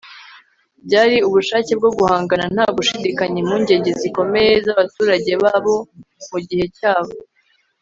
byari ubushake bwo guhangana nta gushidikanya impungenge zikomeye z'abaturage babo mugihe cyabo